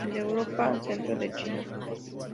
De Europa al centro de China.